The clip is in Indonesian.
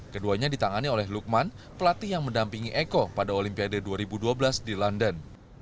keduanya ditangani oleh lukman pelatih yang mendampingi eko pada olimpiade dua ribu dua belas di london